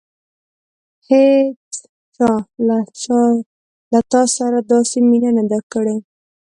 هېڅچا له تا سره داسې مینه نه ده کړې.